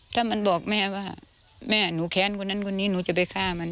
ถ้ามันบอกแม่ว่าแม่หนูแค้นคนนั้นคนนี้หนูจะไปฆ่ามัน